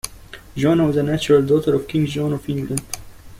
Joan was a natural daughter of King John of England.